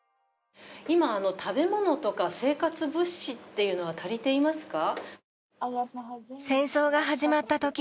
今、食べ物とか生活物資というのは足りていますか？